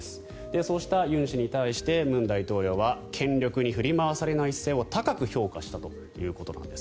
そうしたユン氏に対して文大統領は権力に振り回されない姿勢を高く評価したということです。